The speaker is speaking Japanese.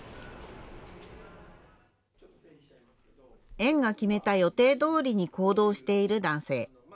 園が決めた予定どおりに行動している男性。